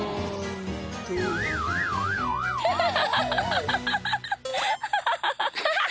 ハハハハ。